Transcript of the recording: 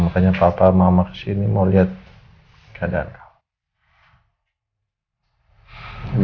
makanya papa dan mama ke sini mau lihat keadaan kamu